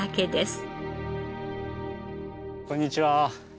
あっこんにちは。